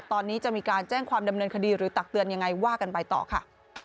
ตอนนี้จะมีการแจ้งความดำเนินคดีหรือตักเตือนยังไงว่ากันไปต่อค่ะ